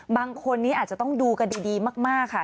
บางคนนี้อาจจะต้องดูกันดีมากค่ะ